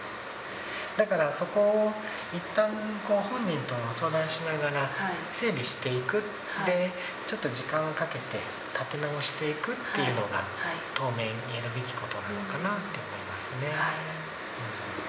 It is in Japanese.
だから、そこをいったん、本人と相談しながら、整理していく、で、ちょっと時間をかけて、立て直していくっていうのが、当面、やるべきことなのかなと思いますね。